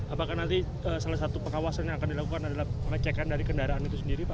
apakah nanti salah satu pengawasan yang akan dilakukan adalah pengecekan dari kendaraan itu sendiri pak